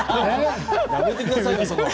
やめてくださいよ。